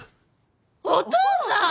お父さん！？